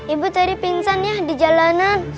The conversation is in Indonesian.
ibu tadi pingsan ya di jalanan